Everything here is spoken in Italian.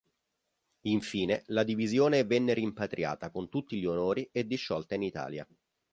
Infine la divisione venne rimpatriata con tutti gli onori e disciolta in Italia.